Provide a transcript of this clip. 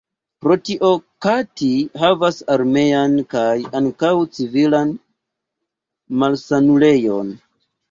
Pro tio Kati havas armean kaj ankaŭ civilan malsanulejon.